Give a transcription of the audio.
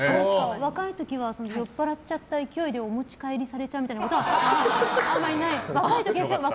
若い時は酔っ払っちゃった勢いでお持ち帰りされちゃうみたいなことはあんまりないですか？